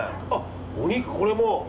お肉、これも。